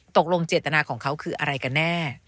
ตกลงเจตนาของเขาคืออะไรกันแน่